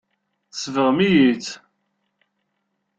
Tsebɣem-iyi-tt.